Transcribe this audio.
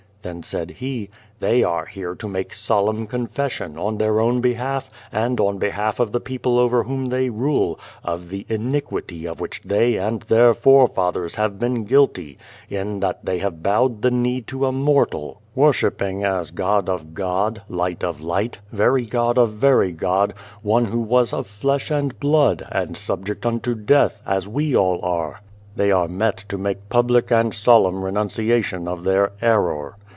Then said he, "They are here to make solemn confession, on their own behalf, and on behalf of the people over whom they rule, of the iniquity of which they and their fore fathers have been guilty, in that they have 174 and the Devil bowed the knee to a mortal, worshipping as God of God, Light of Light, Very God of Very God, one who was of flesh and blood, and subject unto death, as we all are. They are met to make public and solemn renuncia tion of their error.